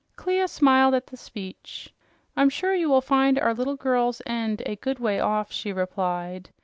Clia smiled at this speech. "I'm sure you will find the little girl's end a good way off," she replied.